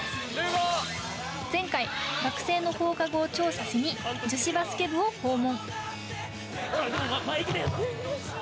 前回、学生の放課後を調査しに女子バスケ部を訪問。